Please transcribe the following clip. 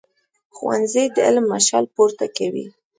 ښوونځی د علم مشال پورته کوي